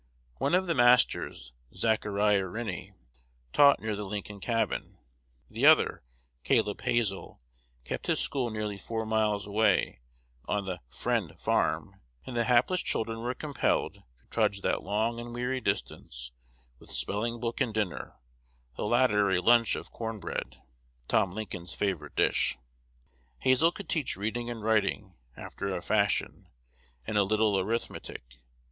One of the masters, Zachariah Riney, taught near the Lincoln cabin. The other, Caleb Hazel, kept his school nearly four miles away, on the "Friend" farm; and the hapless children were compelled to trudge that long and weary distance with spelling book and "dinner," the latter a lunch of corn bread, Tom Lincoln's favorite dish. Hazel could teach reading and writing, after a fashion, and a little arithmetic.